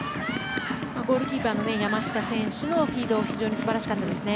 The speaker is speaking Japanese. ゴールキーパーの山下選手のフィード非常に素晴らしかったですね。